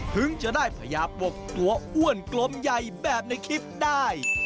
ถึงจะได้พญาปกตัวอ้วนกลมใหญ่แบบในคลิปได้